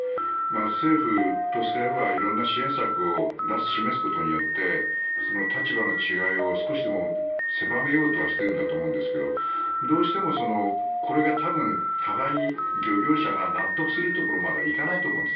政府とすれば色んな支援策を示すことによって立場の違いを少しでも狭めようとはしているんだと思いますがどうしてもこれが多分互いに漁業者が納得するところまでは行かないと思うんです。